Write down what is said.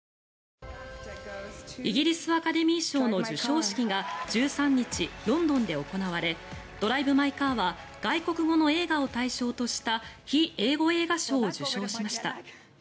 イギリスアカデミー賞の授賞式が１３日ロンドンで行われ「ドライブ・マイ・カー」は外国語の映画を対象とした非英語映画賞を受賞しました。